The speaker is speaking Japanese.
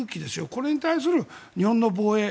これに対する日本の防衛